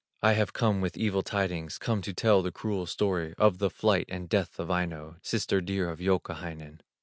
I have come with evil tidings, Come to tell the cruel story Of the flight and death of Aino, Sister dear of Youkahainen.